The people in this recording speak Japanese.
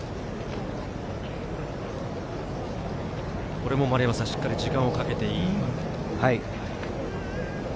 これもしっかり時間をかけていい？